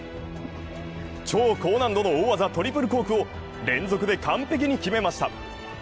超高難度の大技、トリプルコークを連続で完璧に決めました。